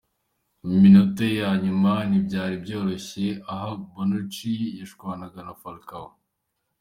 Mu minota ya nyuma ntibyari byoroshye, aha Bonucci yashwanaga na Falcao.